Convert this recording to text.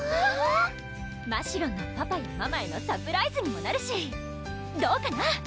ましろんのパパやママへのサプライズにもなるしどうかな？